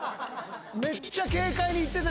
めっちゃ軽快にいってた。